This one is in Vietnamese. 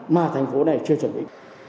mà thành phố này chưa chuẩn bị